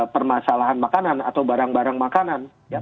permasalahan makanan atau barang barang makanan